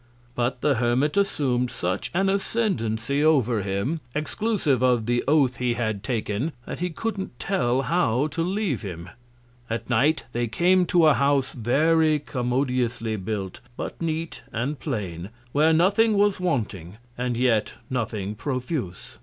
But the Hermit assum'd such an Ascendency over him, exclusive of the Oath he had taken, that he couldn't tell how to leave him. At Night they came to a House very commodiously built, but neat and plain; where nothing was wanting, and yet nothing profuse.